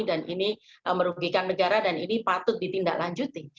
dan ini merugikan negara dan ini patut ditindaklanjuti